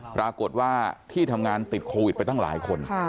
ปรากฏว่าที่ทำงานติดโควิดไปตั้งหลายคน